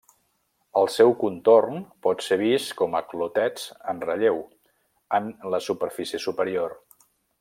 El seu contorn pot ser vist com a clotets en relleu en la superfície superior.